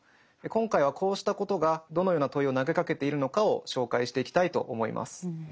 今回はこうしたことがどのような問いを投げかけているのかを紹介していきたいと思います。